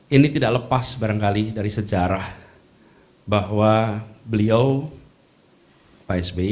ini tidak lepas barangkali dari sejarah bahwa beliau pak sby